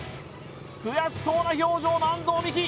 悔しそうな表情の安藤美姫